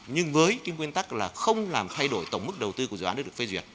nhưng với cái nguyên tắc là không làm thay đổi tổng mức đầu tư của dự án đã được phê duyệt